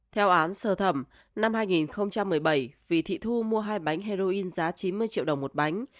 theo án sơ thẩm năm hai nghìn một mươi bảy vì thị thu mua hai bánh heroin giá chín mươi triệu đồng một bánh